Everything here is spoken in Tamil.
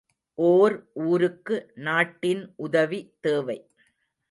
ஓர் ஊருக்கு நாட்டின் உதவி தேவை.